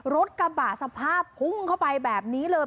รถกระบะสภาพพุ่งเข้าไปแบบนี้เลย